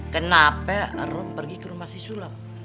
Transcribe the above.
kenapa rom pergi ke rumah si sulem